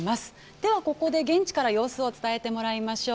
ではここで現地から様子を伝えてもらいましょう。